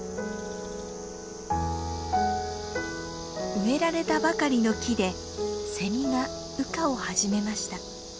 植えられたばかりの木でセミが羽化を始めました。